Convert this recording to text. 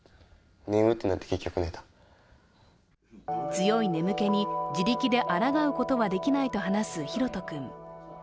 強い眠気に自力であらがうことはできないと話すひろと君。